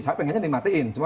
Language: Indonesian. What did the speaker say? saya pengennya dimatikan